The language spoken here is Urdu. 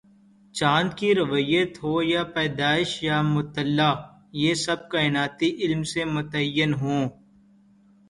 چاند کی رویت ہو یا پیدائش یا مطلع، یہ سب کائناتی علم سے متعین ہوں۔